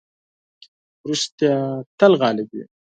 رښتيا تل غالب وي.